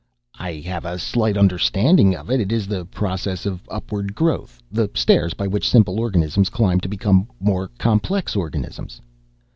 "I have a slight understanding of it. It is the process of upward growth, the stairs by which simple organisms climb to become more complex organisms."